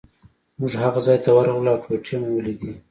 موږ هغه ځای ته ورغلو او ټوټې مو ولیدې.